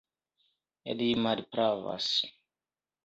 Li malpravas!